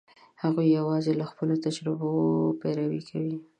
هغوی یواځې له خپلو تجربو پیروي کوي.